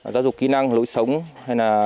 giáo dục kỹ năng lỗi sống hay là